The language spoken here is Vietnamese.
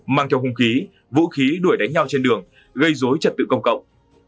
mang theo hung khí vũ khí đuổi đánh nhau trên đường gây dối trật tự công cộng